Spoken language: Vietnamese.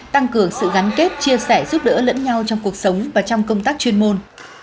tăng cường sự gắn kết chia sẻ giúp đỡ lẫn nhau trong cuộc sống và trong công tác chuyên môn